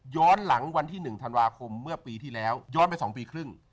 หลังวันที่๑ธันวาคมเมื่อปีที่แล้วย้อนไป๒ปีครึ่ง